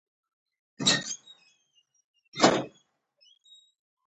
وروسته اوبه شول